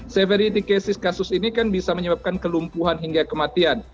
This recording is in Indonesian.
severity cases kasus ini kan bisa menyebabkan kelumpuhan hingga kematian